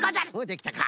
できたか。